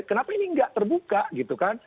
kenapa ini nggak terbuka gitu kan